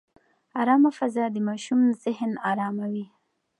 ارامه فضا د ماشوم ذهن اراموي.